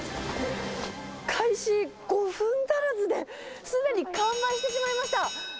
開始５分足らずで、すでに完売してしまいました。